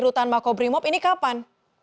di rutan mako brimob ini kapan